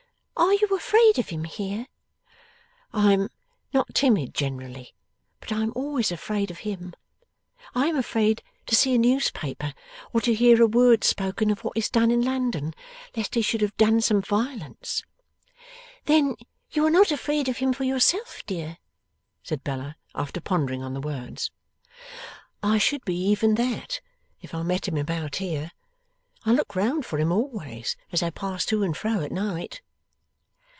'Are you afraid of him here?' 'I am not timid generally, but I am always afraid of him. I am afraid to see a newspaper, or to hear a word spoken of what is done in London, lest he should have done some violence.' 'Then you are not afraid of him for yourself, dear?' said Bella, after pondering on the words. 'I should be even that, if I met him about here. I look round for him always, as I pass to and fro at night.